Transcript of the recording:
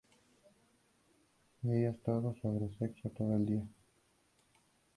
Y ella es todo sobre sexo todo el día.